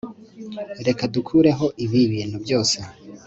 reka dukureho ibi bintu byose